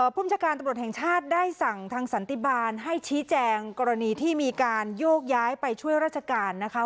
ผู้บัญชาการตำรวจแห่งชาติได้สั่งทางสันติบาลให้ชี้แจงกรณีที่มีการโยกย้ายไปช่วยราชการนะคะ